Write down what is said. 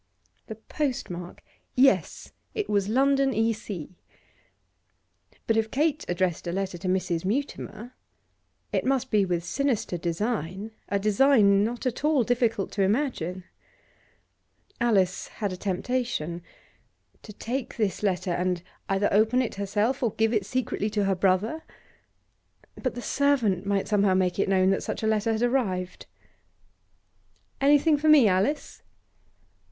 The post mark? Yes, it was London, E.C. But if Kate addressed a letter to Mrs. Mutimer it must be with sinister design, a design not at all difficult to imagine. Alice had a temptation. To take this letter and either open it herself or give it secretly to her brother? But the servant might somehow make it known that such a letter had arrived. 'Anything for me, Alice?